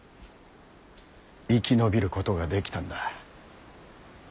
生き延びることができたんだ。